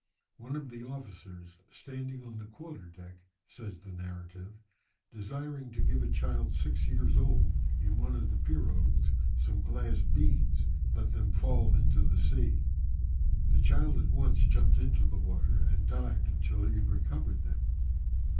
"One of the officers, standing on the quarter deck," says the narrative, "desiring to give a child six years old, in one of the pirogues, some glass beads, let them fall into the sea. The child at once jumped into the water and dived until he recovered them.